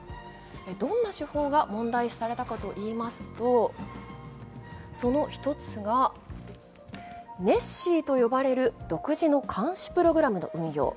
どんな手法が問題視されたかといいますと、その１つが、ネッシーと呼ばれる独自の監視プログラムの運用。